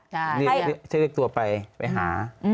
ใช่ที่เรียกตัวไปไปหา